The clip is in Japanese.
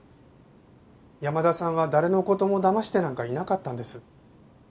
山田さんは誰の事も騙してなんかいなかったんです。